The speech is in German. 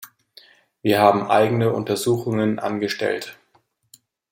Wir haben eigene Untersuchungen angestellt.